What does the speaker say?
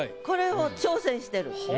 これを挑戦してる。